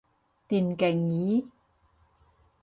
電競椅